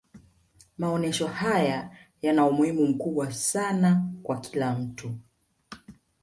maonyesho haya yana umuhimu mkubwa sana kwa kila mtu